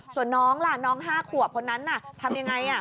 ส่วนน้องล่ะน้อง๕ขวบคนนั้นน่ะทำยังไง